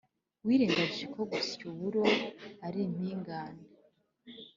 wirengagije ko gusya uburo ari impingane.